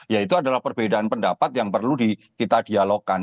ya itu adalah perbedaan pendapat yang perlu di kita dialogkan